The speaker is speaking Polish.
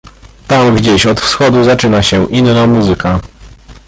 "Tam gdzieś od wschodu zaczyna się inna muzyka."